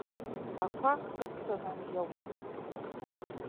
Ақәа кыдҵәаны иауит.